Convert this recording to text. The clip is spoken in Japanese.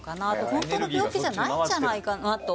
本当の病気じゃないんじゃないかなと。